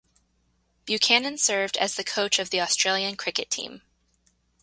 Buchanan served as the coach of the Australian cricket team.